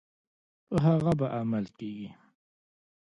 په هغه به عمل کیږي.